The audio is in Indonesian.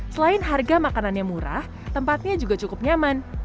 selain harga makanannya murah tempatnya juga cukup nyaman